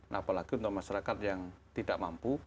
nah apalagi untuk masyarakat yang tidak mampu